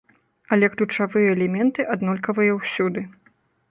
Але ключавыя элементы аднолькавыя ўсюды.